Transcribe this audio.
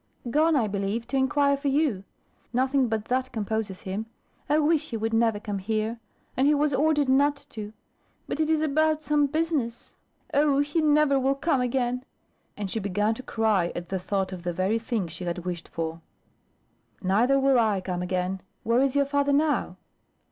"Gone, I believe, to inquire for you. Nothing but that composes him. I wish he would never come here. And he was ordered not to. But it is about some business. Oh, he never will come again." And she began to cry at the thought of the very thing she had wished for. "Neither will I come again. Where is your father now?"